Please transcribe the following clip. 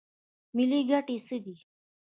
ملي ګټې څه دي؟